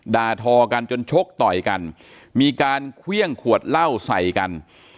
ทอกันจนชกต่อยกันมีการเครื่องขวดเหล้าใส่กัน